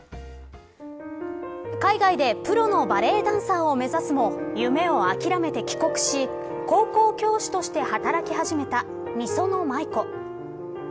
海外でプロのバレーダンサーを目指すも夢をあきめて帰国し高校教師として働き始めた美園舞子。